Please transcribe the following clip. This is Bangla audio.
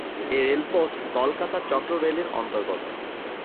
এ রেলপথ কলকাতা চক্ররেল-এর অন্তর্গত।